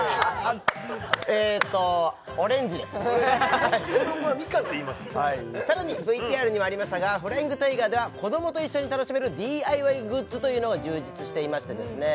えとオレンジですね子どもはみかんって言いますさらにＶＴＲにもありましたがフライングタイガーでは子どもと一緒に楽しめるＤＩＹグッズというのが充実していましてですね